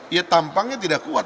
ya tampangnya tidak kuat